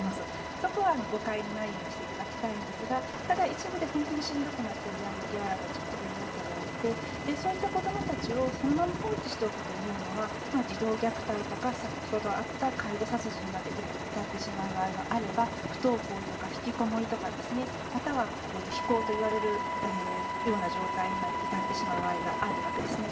そこは誤解のないようにしていただきたいんですがただ一部で本当にしんどくなっているヤングケアラーたちもいるわけであってそういった子どもたちをそのまま放置しておくというのは児童虐待とか、先ほどあった介護殺人まで至ってしまう場合もあれば不登校とか引きこもりとかまたは非行といわれる状況までに至ってしまう場合があるわけですね。